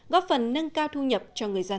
góp phần nâng cao thu nhập cho người dân